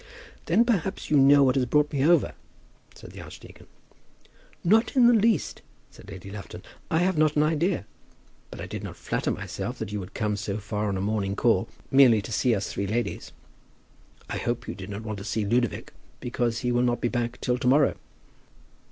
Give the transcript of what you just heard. "Then perhaps you know what has brought me over?" said the archdeacon. "Not in the least," said Lady Lufton. "I have not an idea. But I did not flatter myself that you would come so far on a morning call, merely to see us three ladies. I hope you did not want to see Ludovic, because he will not be back till to morrow?"